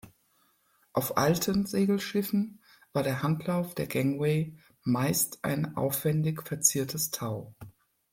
Auf alten Segelschiffen war der Handlauf der Gangway meist ein aufwendig verziertes Tau.